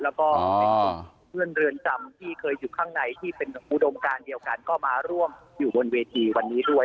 แล้วก็เป็นกลุ่มเพื่อนเรือนจำที่เคยอยู่ข้างในที่เป็นอุดมการเดียวกันก็มาร่วมอยู่บนเวทีวันนี้ด้วย